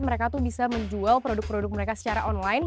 mereka tuh bisa menjual produk produk mereka secara online